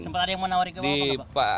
sempat ada yang menawari ke bapak